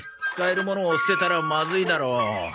使えるものを捨てたらまずいだろ。